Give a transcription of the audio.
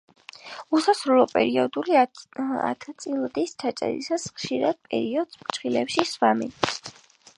უსასრულო პერიოდული ათწილადის ჩაწერისას ხშირად პერიოდს ფრჩხილებში სვამენ.